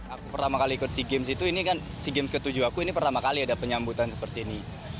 aku pertama kali ikut sea games itu ini kan sea games ke tujuh aku ini pertama kali ada penyambutan seperti ini